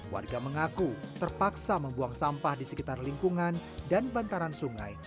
warga mengaku terpaksa membuang sampah di sekitar lingkungan dan bantaran sungai